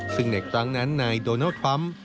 ซึ่งในครั้งนั้นนายโดนัลดทรัมป์